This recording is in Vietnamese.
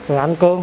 rồi ăn cơm